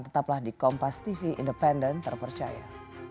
tetaplah di kompas tv independen terpercaya